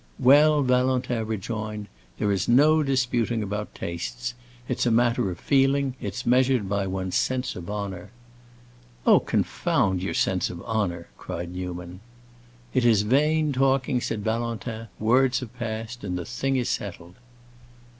"Well," Valentin rejoined, "there is no disputing about tastes. It's a matter of feeling; it's measured by one's sense of honor." "Oh, confound your sense of honor!" cried Newman. "It is vain talking," said Valentin; "words have passed, and the thing is settled."